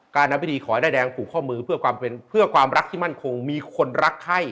การทำวิธีขอด้ายแดงปู่ข้อมือเพื่อความรักที่มั่นคงมีคนรักให้